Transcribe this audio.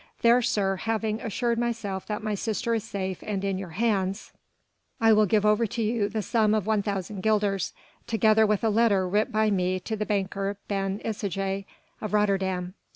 There, sir, having assured myself that my sister is safe and in your hands, I will give over to you the sum of 1,000 guilders, together with a letter writ by me to the banker Ben Isaje of Rotterdam.